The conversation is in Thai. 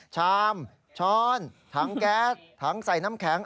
ชามช้อนถังแก๊สถังใส่น้ำแข็ง